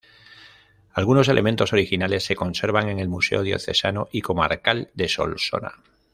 Algunos elementos originales se conservan en el Museo Diocesano y Comarcal de Solsona.